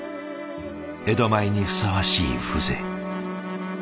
江戸前にふさわしい風情。